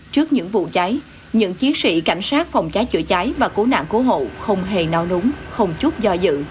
trước những vụ cháy những chiến sĩ cảnh sát phòng cháy chữa cháy và cố nạn cố hộ không hề nao núng không chút do dự